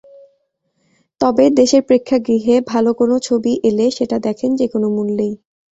তবে দেশের প্রেক্ষাগৃহে ভালো কোনো ছবি এলে সেটা দেখেন যেকোনো মূল্যেই।